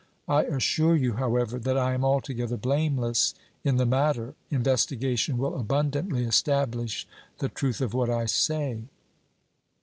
I assure you, however, that I am altogether blameless in the matter; investigation will abundantly establish the truth of what I say."